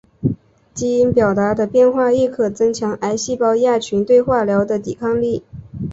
基因表达的变化亦可增强癌细胞亚群对化疗的抵抗力。